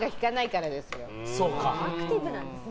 アクティブなんですね。